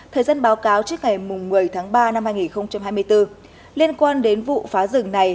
thời gian báo cáo trước ngày một mươi tháng ba năm hai nghìn hai mươi bốn liên quan đến vụ phá rừng này